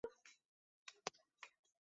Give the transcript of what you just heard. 出生于北海道札幌市。